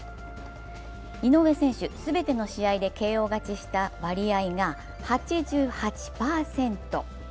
井上選手、全ての試合でＫＯ勝ちした割合が８８％。